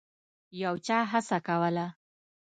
یو چا هڅه کوله.